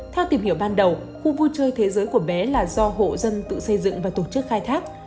theo tìm hiểu ban đầu khu vui chơi thế giới của bé là do hộ dân tự xây dựng và tổ chức khai thác